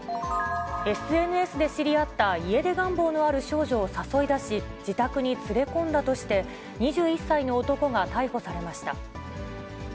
ＳＮＳで知り合った家出願望のある少女を誘い出し、自宅に連れ込んだとして、２１歳の男が逮捕されました。